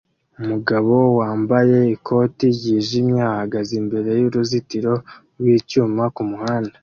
Umugabo wambaye ikoti ryijimye ahagaze imbere y'uruzitiro rw'icyuma kumuhanda